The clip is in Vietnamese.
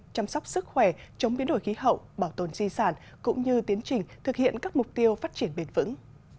chăm sóc sức khỏe chống biến đổi khí hậu bảo tồn di sản cũng như tiến trình thực hiện các mục tiêu phát triển bền vững